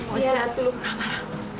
mau istirahat dulu ke kamar